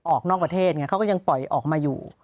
ออกนอกประเทศไงเขาก็ยังปล่อยออกมาอยู่